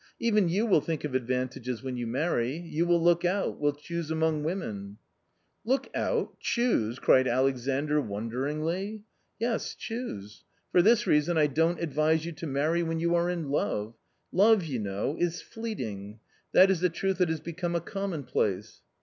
Even you will think of advantages when you marry, you will look out, will choose among women." " Look out, choose !" cried Alexandr wonderingly. "Yes, choose. For this rpflsnn^j^dnn^ fid vi se y ou. \SL marry when vou are M JWB.... Epve, you k^w^ js.fleeting^— th&t is a truth that has become a commonplace."